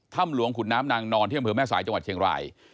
ถ้ำหลวงขุนน้ำนางนอนที่อำเภอแม่สายจังหวัดเชียงราย